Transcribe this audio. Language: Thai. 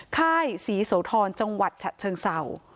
ค่ายศรีโสธรจังหวัดฉะเชิงเศร้า